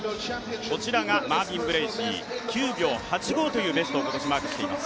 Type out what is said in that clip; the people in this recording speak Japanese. こちらがマービン・ブレーシー９秒８５というタイムを今年マークしています。